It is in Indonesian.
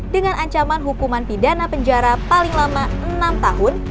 dengan ancaman hukuman pidana penjara paling lama enam tahun